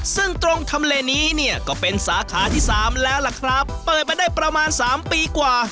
ซึ่งตรงทำเลนี้เนี่ยก็เป็นสาขาที่สามแล้วล่ะครับเปิดมาได้ประมาณสามปีกว่า